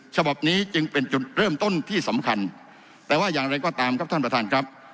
ฉบับนี้จึงเป็นจุดเริ่มต้นที่สำคัญแต่ว่าอย่างไรก็ตามครับท่านประธานครับ